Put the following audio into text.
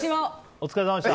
お疲れさまでした。